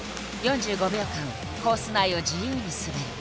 ４５秒間コース内を自由に滑る。